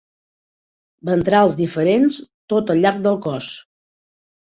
Ventrals diferents tot al llarg del cos.